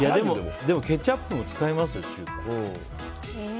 でも、ケチャップも使いますよ中華。